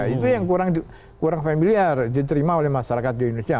itu yang kurang familiar diterima oleh masyarakat di indonesia